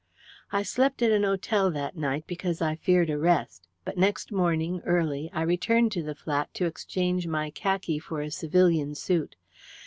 "I slept at an hotel that night because I feared arrest, but next morning, early, I returned to the flat to exchange my khaki for a civilian suit.